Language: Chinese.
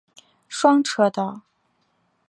双车道。